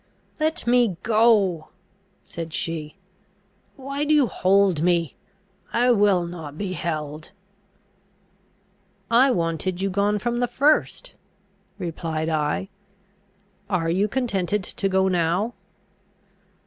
"Let me go!" said she. "Why do you hold me? I will not be held." "I wanted you gone from the first," replied I. "Are you contented to go now?"